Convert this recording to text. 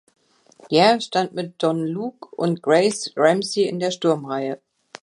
Gare stand mit Don Luce und Craig Ramsay in einer Sturmreihe.